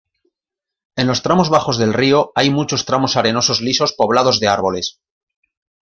En los tramos bajos del río, hay muchos tramos arenosos lisos poblados de árboles.